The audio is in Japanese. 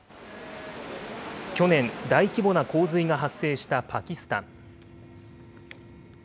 去年、大規模な洪水が発生したパキスタン。